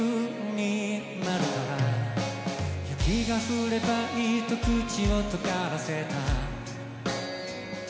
「“雪が降ればいい”と口を尖らせた」